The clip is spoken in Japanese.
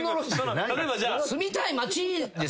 住みたい町ですよ。